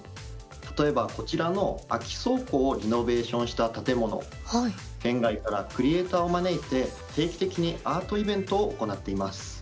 例えばこちらの空き倉庫をリノベーションした建物県外からクリエーターを招いて定期的にアートイベントを行っています。